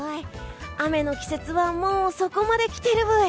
雨の季節はもうそこまで来ているブイ。